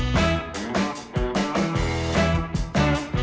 โปรดติดตามตอนต่อไป